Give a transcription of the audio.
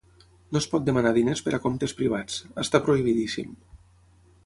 No es pot demanar diners per a comptes privats, està prohibidíssim.